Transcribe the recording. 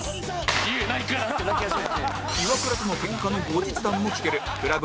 イワクラとのケンカの後日談も聞ける ＣＬＵＢ